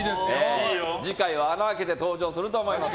次回は穴をあけて登場すると思います。